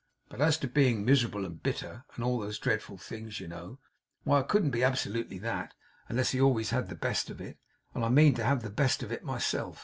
But as to being miserable, and bitter, and all those dreadful things, you know, why I couldn't be absolutely that, unless he always had the best of it; and I mean to have the best of it myself.